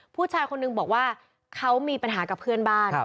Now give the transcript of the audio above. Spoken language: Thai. ผู้ชายคนนึงบอกว่าเขามีปัญหากับเพื่อนบ้าน